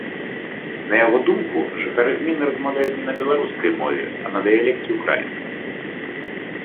На яго думку, жыхары гміны размаўляюць не на беларускай мове, а на дыялекце ўкраінскай.